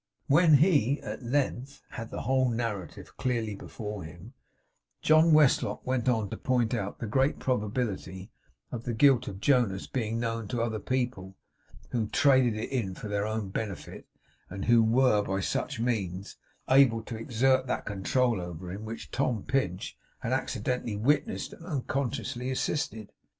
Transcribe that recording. When he, at length, had the whole narrative clearly before him, John Westlock went on to point out the great probability of the guilt of Jonas being known to other people, who traded in it for their own benefit, and who were, by such means, able to exert that control over him which Tom Pinch had accidentally witnessed, and unconsciously assisted.